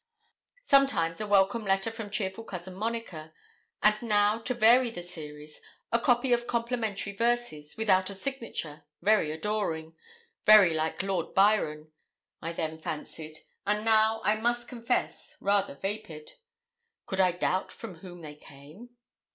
Sometimes a welcome letter from cheerful Cousin Monica; and now, to vary the series, a copy of complimentary verses, without a signature, very adoring very like Byron, I then fancied, and now, I must confess, rather vapid. Could I doubt from whom they came?